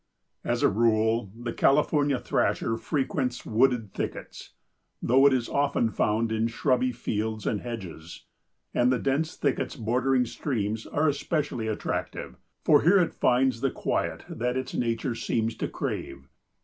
As a rule the California Thrasher frequents wooded thickets, though it is often found in shrubby fields and hedges, and the dense thickets bordering streams are especially attractive, for here it finds the quiet that its nature seems to crave.